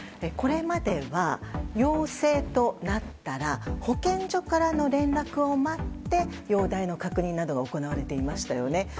これまでは陽性となったら保健所からの連絡を待って容体の確認などが行われていましたよね。